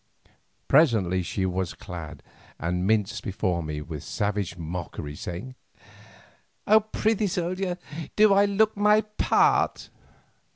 Presently she was clad, and minced before me with savage mockery, saying: "Prithee, soldier, do I look my part?"